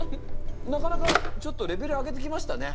なかなかちょっとレベル上げてきましたね。